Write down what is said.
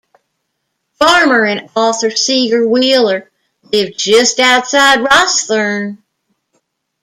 Farmer and author Seager Wheeler lived just outside Rosthern.